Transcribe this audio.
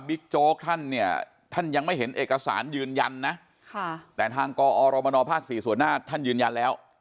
โจ๊กท่านเนี่ยท่านยังไม่เห็นเอกสารยืนยันนะแต่ทางกอรมนภ๔ส่วนหน้าท่านยืนยันแล้ว